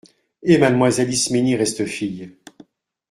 Et mademoiselle Isménie reste fille !